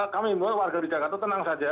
kami membawa warga di jakarta tenang saja